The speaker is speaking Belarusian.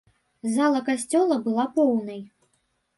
Зала касцёла была поўнай.